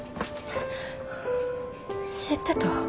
知ってた？